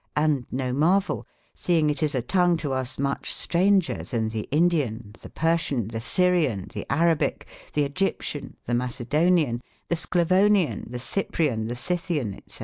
Hnd no marveiU: seyng it is a tongue to us mucbe straunger then the Indian, the Persian, the Syrian, the Hra/ biche, the Egyptian, the JVIacedonian, the Sclavonian, tbe Ciprian, tbe Scy tbian etc.